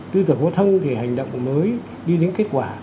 tư tưởng vô thân thì hành động mới đi đến kết quả